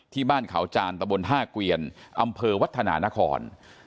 ที่บ้านเขาจานกุยันอำเภอวัฒนานคร